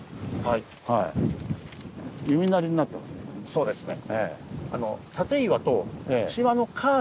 そうですね。